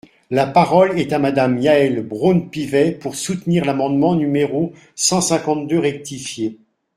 La parole est à Madame Yaël Braun-Pivet, pour soutenir l’amendement numéro cent cinquante-deux rectifié.